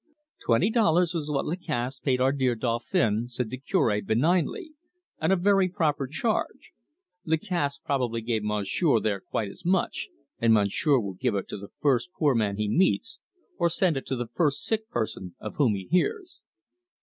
"Twenty dollars is what Lacasse paid our dear Dauphin," said the Cure benignly, "and a very proper charge. Lacasse probably gave Monsieur there quite as much, and Monsieur will give it to the first poor man he meets, or send it to the first sick person of whom he hears."